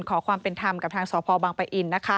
ขอความเป็นธรรมกับทางสพบังปะอิน